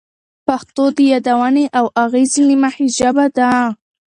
پښتو د یادونې او اغیزې له مخې ژبه ده.